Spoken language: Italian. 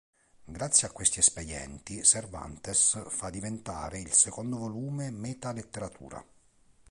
Grazie a questi espedienti, Cervantes fa diventare il secondo volume meta-letteratura.